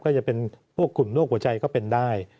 ก็จะเป็นพวกกลุ่มโรคหัวใจก็เป็นได้